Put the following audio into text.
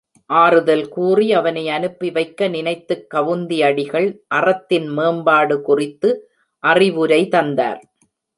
ஆறுதல் கூறி அவனை அனுப்பிவைக்க நினைத்துக் கவுந்தி அடிகள் அறத்தின் மேம்பாடு குறித்து அறிவுரை தந்தார்.